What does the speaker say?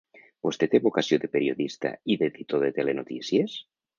Vostè té vocació de periodista i d’editor de telenotícies?